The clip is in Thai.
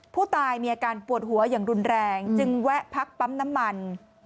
ผู้ตายมีอาการปวดหัวอย่างรุนแรงจึงแวะพักปั๊มน้ำมัน